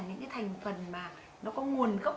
những cái thành phần mà nó có nguồn gốc